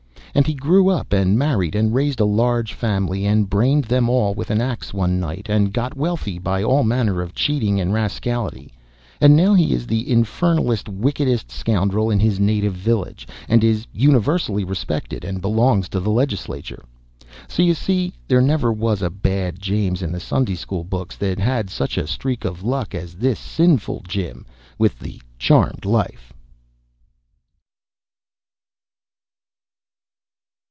And he grew up and married, and raised a large family, and brained them all with an ax one night, and got wealthy by all manner of cheating and rascality; and now he is the infernalest wickedest scoundrel in his native village, and is universally respected, and belongs to the legislature. So you see there never was a bad James in the Sunday school books that had such a streak of luck as this sinful Jim with the charmed life.